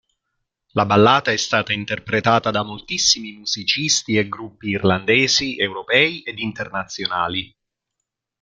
La ballata è stata interpretata da moltissimi musicisti e gruppi irlandesi, europei ed internazionali.